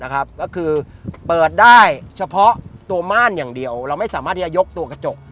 ก็คือเปิดได้เฉพาะตัวม่านอย่างเดียวเราไม่สามารถที่จะยกตัวกระจก